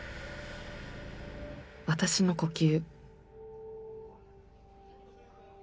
私の呼吸。